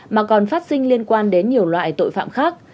mà còn phát sinh liên quan đến nhiều loại tội phạm khác